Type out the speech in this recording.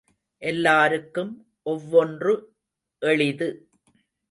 எல்லாருக்கும் ஒவ்வொன்று எளிது.